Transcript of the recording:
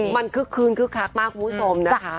มันคึกคืนคึกครากมากมุสมนะคะ